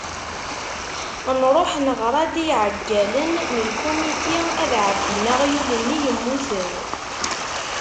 Nruḥ neɣra-d i iɛeggalen n lkumiti ad ɛebbin aɣyul-nni yemmuten.